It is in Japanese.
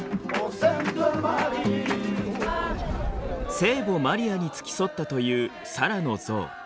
聖母マリアに付き添ったというサラの像。